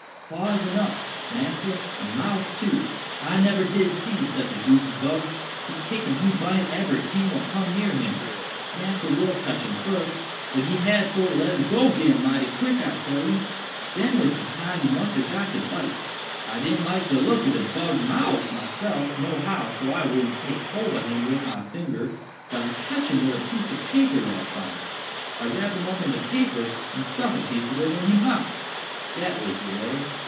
"Claws enuff, massa, and mouff too. I nebber did see sick a deuced bug—he kick and he bite ebery ting what cum near him. Massa Will cotch him fuss, but had for to let him go 'gin mighty quick, I tell you—den was de time he must ha' got de bite. I did n't like de look oh de bug mouff, myself, no how, so I would n't take hold ob him wid my finger, but I cotch him wid a piece ob paper dat I found. I rap him up in de paper and stuff piece ob it in he mouff—dat was de way."